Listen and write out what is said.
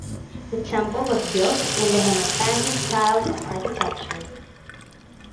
The temple was built in the Hemadpanthi style of architecture.